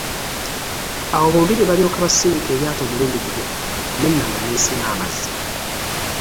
Awo bombi ne balyoka basindika eryato omulundi gumu n'ennanda n'esena amazzi.